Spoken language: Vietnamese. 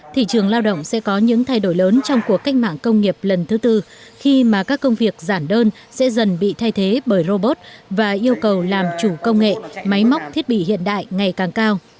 thị trường lao động sẽ có những thay đổi lớn trong cuộc cách mạng công nghiệp lần thứ tư khi mà các công việc giản đơn sẽ dần bị thay thế bởi robot và yêu cầu làm chủ công nghệ máy móc thiết bị hiện đại ngày càng cao